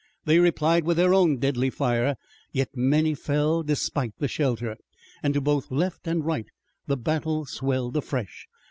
They replied with their own deadly fire, yet many fell, despite the shelter, and to both left and right the battle swelled afresh.